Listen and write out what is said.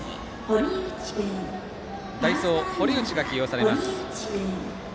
代走、堀内が起用されます。